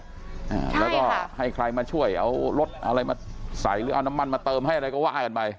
อ่าแล้วก็ให้ใครมาช่วยเอารถอะไรมาใส่หรือเอาน้ำมันมาเติมให้อะไรก็ว่ากันไป